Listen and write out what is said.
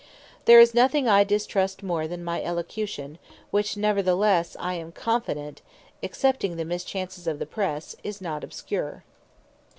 There is nothing I distrust more than my Elocution; which neverthelesse I am confident (excepting the Mischances of the Presse) is not obscure.